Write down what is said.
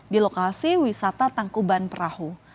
di lokasi wisata tangkuban perahu